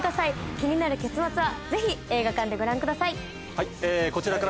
気になる結末はぜひ映画館でご覧ください。